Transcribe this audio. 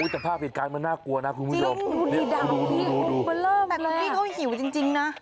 แต่ภาพเหตุการณ์มันน่ากลัวนะคุณผู้ชมดูดิแต่ตรงนี้เขาหิวจริงนะ